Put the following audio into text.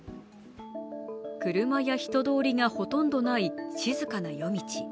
車や人通りがほとんどない静かな夜道。